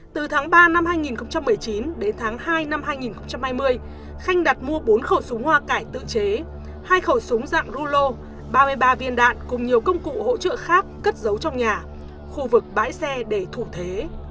từ tháng ba năm hai nghìn một mươi chín đến tháng hai năm hai nghìn hai mươi khanh đặt mua bốn khẩu súng hoa cải tự chế hai khẩu súng dạng rulo ba mươi ba viên đạn cùng nhiều công cụ hỗ trợ khác cất giấu trong nhà khu vực bãi xe để thủ thế